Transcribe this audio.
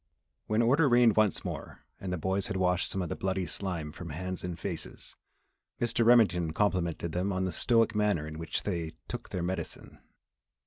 When order reigned once more and the boys had washed some of the bloody slime from hands and faces, Mr. Remington complimented them upon the stoic manner in which they "took their medicine."